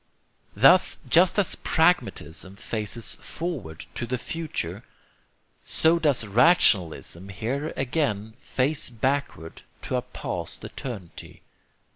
Thus, just as pragmatism faces forward to the future, so does rationalism here again face backward to a past eternity.